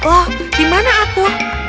oh di mana aku